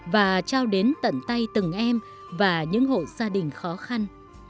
và trao đến tận tay từng em và những hộ gia đình khó khăn